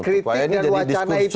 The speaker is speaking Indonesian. untuk supaya ini jadi diskursus